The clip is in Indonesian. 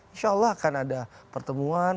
insya allah akan ada pertemuan